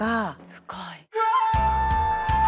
深い。